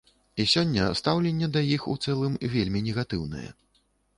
І сёння стаўленне да іх у цэлым вельмі негатыўнае.